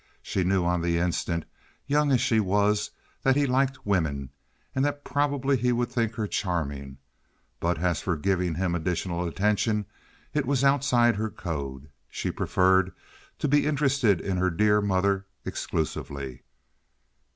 She knew on the instant, young as she was, that he liked women, and that probably he would think her charming; but as for giving him additional attention it was outside her code. She preferred to be interested in her dear mother exclusively.